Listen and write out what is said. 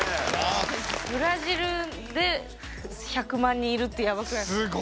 ブラジルで１００万人いるってヤバくないですか？